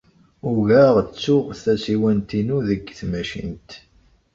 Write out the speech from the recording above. Ugaɣ ttuɣ tasiwant-inu deg tmacint.